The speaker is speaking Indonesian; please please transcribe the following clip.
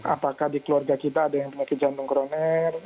apakah di keluarga kita ada yang punya kejantung koroner